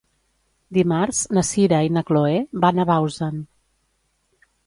Dimarts na Sira i na Chloé van a Bausen.